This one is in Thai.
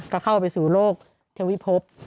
ก็เข้าไปสู่โรคทวิภพ